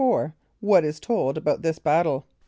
= What is told about this battle?